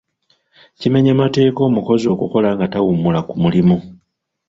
Kimenya mateeka omukozi okukola nga tawummula ku mulimu.